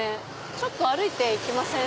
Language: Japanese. ちょっと歩いていきません？